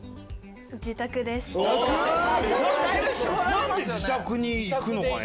何で自宅に行くのかね？